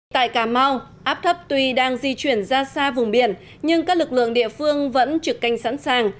tại cà mau áp thấp tuy đang di chuyển ra xa vùng biển nhưng các lực lượng địa phương vẫn trực canh sẵn sàng